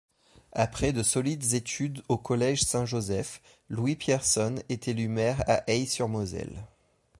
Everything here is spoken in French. Après de solides études au collège Saint-Joseph, Louis Pierson est élu maire à Ay-sur-Moselle.